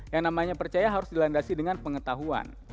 yang namanya percaya harus dilandasi dengan pengetahuan